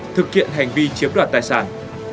thực hiện hành vi chiếm đoạt tài sản